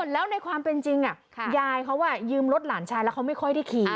แล้วในความเป็นจริงยายเขายืมรถหลานชายแล้วเขาไม่ค่อยได้ขี่